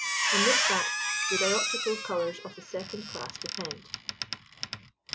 On this fact the dioptrical colours of the second class depend. 185.